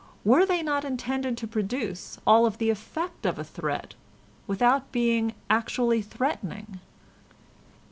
Were they not intended to produce all the effect of a threat without being actually threatening?"